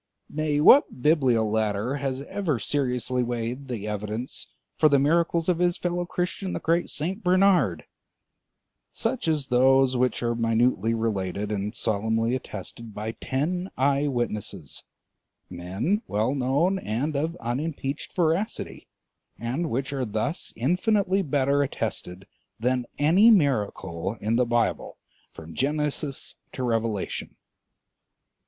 Nay, what Bibliolater has ever seriously weighed the evidence for the miracles of his fellow Christian the great St. Bernard; such as those which are minutely related and solemnly attested by ten eye witnesses, men well known and of unimpeached veracity, and which are thus infinitely better attested than any miracle in the Bible from Genesis to Revelation?